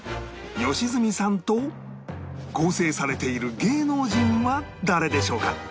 良純さんと合成されている芸能人は誰でしょうか？